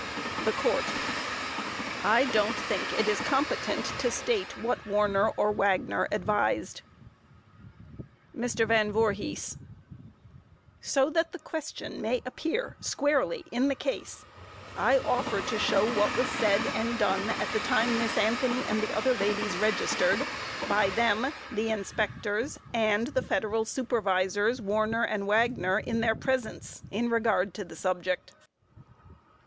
THE COURT: I don't think it is competent to state what Warner or Wagner advised. MR. VAN VOORHIS: So that the question may appear squarely in the case I offer to show what was said and done at the time Miss Anthony and the other ladies registered, by them, the inspectors, and the federal Supervisors, Warner and Wagner, in their presence, in regard to that subject.